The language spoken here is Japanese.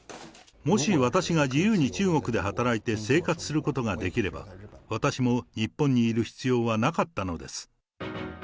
もし私が自由に中国で働いて生活することができれば、私も日本にいる必要はなかったのです。